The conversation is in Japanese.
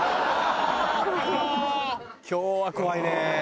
今日は怖いね。